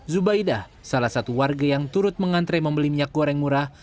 zubaidah salah satu warga yang turut mengantre membeli minyak goreng murah